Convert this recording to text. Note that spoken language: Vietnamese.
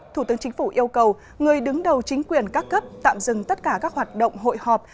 thủ tướng chính phủ yêu cầu người đứng đầu chính quyền các cấp tạm dừng tất cả các hoạt động hội họp